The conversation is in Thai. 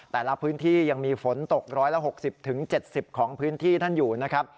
แต่ละพื้นที่ยังมีฝนตก๑๖๐๗๐ของพื้นที่ท่านอยู่นะครับ